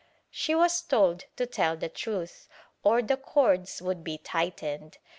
She was told to tell the truth, or the cords would be tightened.